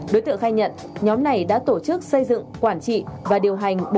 đối tượng khai nhận nhóm này đã tổ chức xây dựng quản trị và điều hành